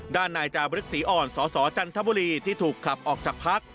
ด้านนายจาบรึกศรีอ่อนสสจันทบุรีที่ถูกขับออกจากพัก